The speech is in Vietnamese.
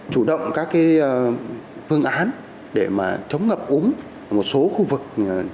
chủ động các phương án để chống ngập úng một số khu vực